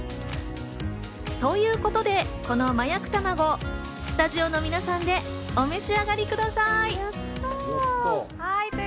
ということで、この麻薬たまご、スタジオの皆さんでお召し上がりください。